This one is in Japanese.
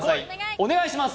お願いします